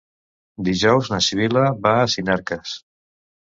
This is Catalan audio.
Dijous na Sibil·la va a Sinarques.